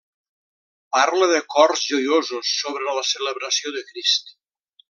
Parla de cors joiosos sobre la celebració de Crist.